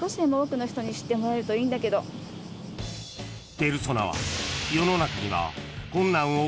［ペルソナは世の中には］